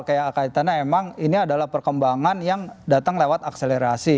kayak kaitannya emang ini adalah perkembangan yang datang lewat akselerasi